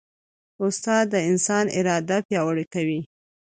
استاد د انسان اراده پیاوړې کوي.